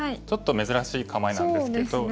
ちょっと珍しい構えなんですけど。